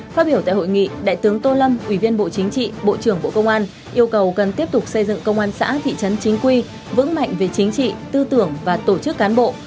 phát biểu tại hội nghị đại tướng tô lâm ủy viên bộ chính trị bộ trưởng bộ công an yêu cầu cần tiếp tục xây dựng công an xã thị trấn chính quy vững mạnh về chính trị tư tưởng và tổ chức cán bộ